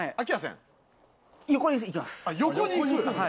横に行きます。